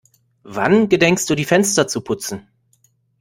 Wann gedenkst du die Fenster zu putzen?